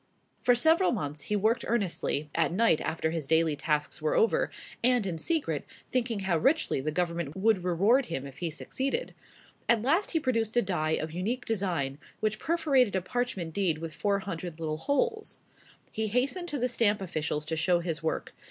For several months he worked earnestly, at night after his daily tasks were over, and in secret, thinking how richly the Government would reward him if he succeeded. At last he produced a die of unique design, which perforated a parchment deed with four hundred little holes. He hastened to the Stamp officials to show his work.